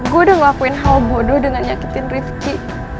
gue udah ngelakuin hal bodoh dengan nyakitin rifki